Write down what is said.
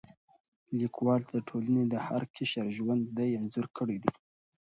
لیکوال د ټولنې د هر قشر ژوند انځور کړی دی.